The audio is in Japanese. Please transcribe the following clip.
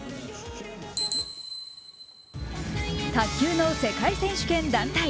卓球の世界選手権団体。